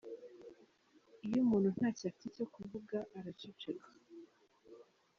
Iyo umuntu ntacyo afite cyo kuvugara araceceka.